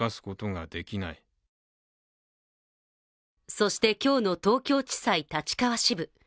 そして今日の東京地裁立川支部。